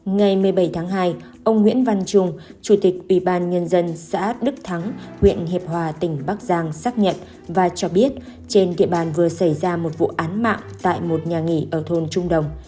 ngày một mươi bảy tháng hai ông nguyễn văn trung chủ tịch ủy ban nhân dân xã đức thắng huyện hiệp hòa tỉnh bắc giang xác nhận và cho biết trên địa bàn vừa xảy ra một vụ án mạng tại một nhà nghỉ ở thôn trung đồng